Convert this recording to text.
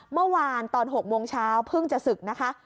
เมื่อวานตอน๖โมงเช้าเพิ่งจะศึกนะคะ